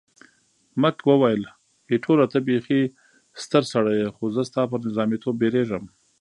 مک وویل، ایټوره ته بیخي ستر سړی یې، خو زه ستا پر نظامیتوب بیریږم.